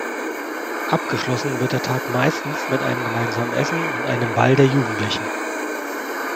Abgeschlossen wird der Tag meistens mit einem gemeinsamen Essen und einem Ball der Jugendlichen.